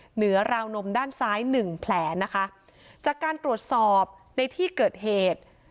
เหนือราวนมด้านซ้ายหนึ่งแผลนะคะจากการตรวจสอบในที่เกิดเหตุ